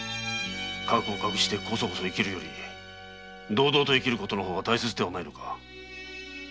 過去を隠してコソコソ生きるより堂々と生きることの方が大切ではないのか。